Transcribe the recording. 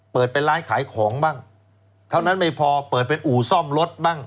เปิดเป็นร้านขายของบ้างเท่านั้นไม่พอเปิดเป็นอู่ซ่อมรถบ้าง